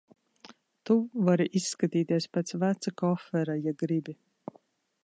Tu vari izskatīties pēc veca kofera, ja gribi.